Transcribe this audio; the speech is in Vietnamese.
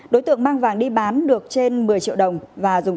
đối tượng mang vàng đi bán được trên một mươi triệu đồng và dùng